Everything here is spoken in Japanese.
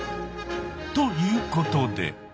ということで。